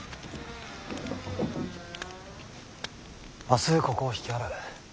明日ここを引き払う。